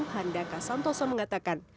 handaka santoso mengatakan